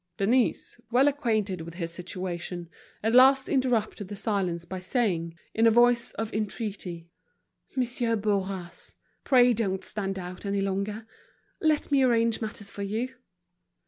Denise, well acquainted with his situation, at last interrupted the silence by saying, in a voice of entreaty: "Monsieur Bourras, pray don't stand out any longer. Let me arrange matters for you."